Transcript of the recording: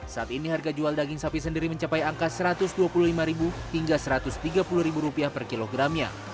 saat ini harga jual daging sapi sendiri mencapai angka rp satu ratus dua puluh lima hingga rp satu ratus tiga puluh per kilogramnya